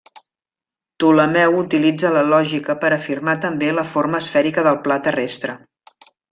Ptolemeu utilitza la lògica per afirmar també la forma esfèrica del pla terrestre.